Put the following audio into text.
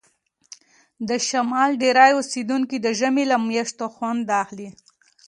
د شمال ډیری اوسیدونکي د ژمي له میاشتو خوند اخلي